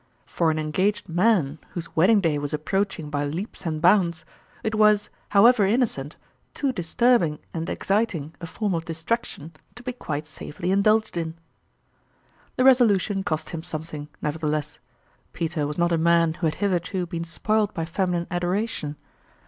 For an engaged man whose wedding day was approaching by leaps and bounds, it was, however innocent, too disturbing and ex citing a form of distraction to be quite safely indulged in. ffiljirb l)cque. 05 The resolution cost him something, never theless. Peter was not a man who had hither to been spoiled by feminine adoration.